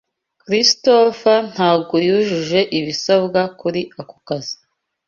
Christopher ntabwo yujuje ibisabwa kuri ako kazi.